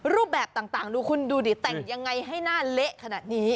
รูปแบบต่างดูคุณดูดิแต่งยังไงให้หน้าเละขนาดนี้